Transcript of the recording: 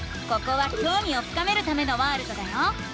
ここはきょうみを深めるためのワールドだよ。